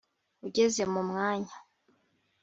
ugeze mu mwanya,